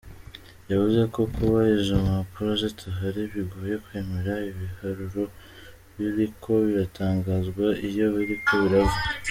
Yavuze ko, kuba izo mpapuro zitahari, bigoye kwemera ibiharuro biriko biratangazwa iyo biriko birava.